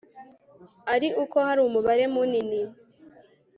ari uko hari umubare munini